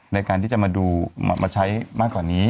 ในการที่จะมาดูมาใช้มากกว่านี้